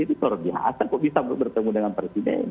itu terbiasa kok bisa bertemu dengan partiden